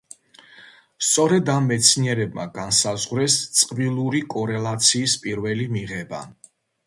სწორედ ამ მეცნიერებმა განსაზღვრეს წყვილური კორელაციის პირველი მიღება.